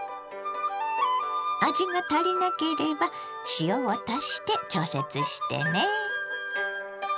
味が足りなければ塩を足して調節してね。